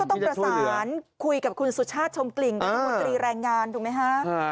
ต้องประสานคุยกับคุณสุชาติชมกลิ่นรัฐมนตรีแรงงานถูกไหมฮะ